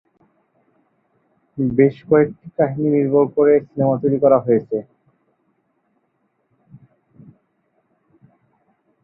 বেশ কয়েকটি কাহিনীকে নির্ভর করে সিনেমা তৈরি করা হয়েছে।